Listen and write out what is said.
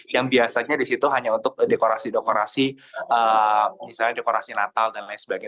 yang biasanya di situ hanya untuk dekorasi dekorasi misalnya dekorasi natal dan lain sebagainya